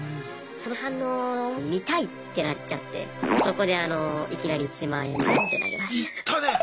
その反応を「見たい！」ってなっちゃってそこでいきなり１万円ぼんって投げました。